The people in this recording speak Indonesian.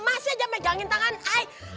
masih aja megangin tangan eh